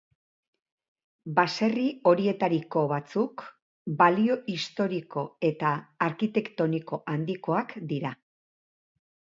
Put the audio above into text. Baserri horietariko batzuk balio historiko eta arkitektoniko handikoak dira.